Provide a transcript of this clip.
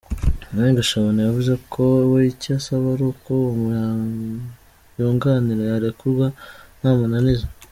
Me Gashabana yavuze ko we icyo asaba ari uko uwo yunganira yarekurwa nta mananiza.